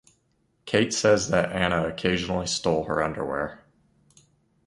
Kate says that Anna occasionally stole her underwear.